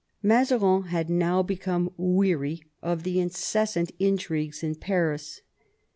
Mazarin had now become weary of the incessant intrigues in Paris.